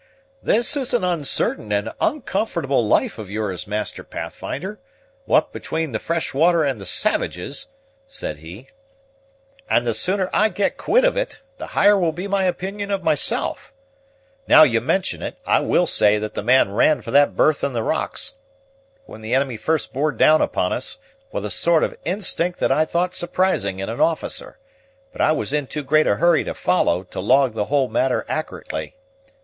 "This is an uncertain and uncomfortable life of yours, Master Pathfinder, what between the fresh water and the savages," said he; "and the sooner I get quit of it, the higher will be my opinion of myself. Now you mention it, I will say that the man ran for that berth in the rocks, when the enemy first bore down upon us, with a sort of instinct that I thought surprising in an officer; but I was in too great a hurry to follow, to log the whole matter accurately.